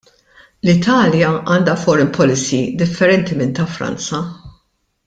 L-Italja għandha foreign policy differenti minn ta' Franza.